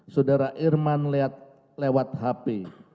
saudara irman lewat hp